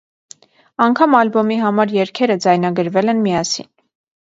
Անգամ ալբոմի համար երգերը ձայնագրվել են միասին։